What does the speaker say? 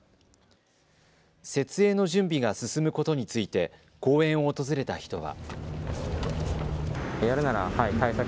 設営の準備が進むことについて公園を訪れた人は。